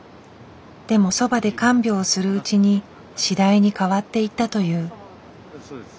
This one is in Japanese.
でもそばで看病をするうちに次第に変わっていったという。